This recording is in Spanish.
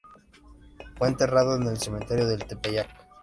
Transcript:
Fue enterrado en el Cementerio del Tepeyac.